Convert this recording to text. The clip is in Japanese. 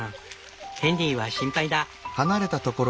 ヘンリーは心配だ。